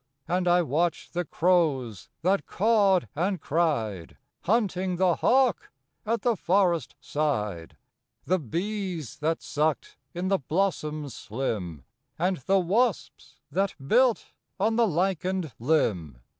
And I watched the crows, that cawed and cried, Hunting the hawk at the forest side; The bees that sucked in the blossoms slim, And the wasps that built on the lichened limb.